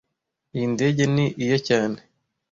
Iyi ndege ni iye cyane